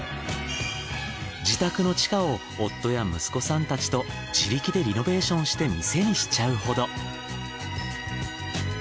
自宅の地下を夫や息子さんたちと自力でリノベーションして店にしちゃうほど。